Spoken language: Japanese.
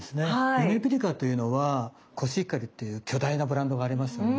ゆめぴりかというのはコシヒカリっていう巨大なブランドがありますよね。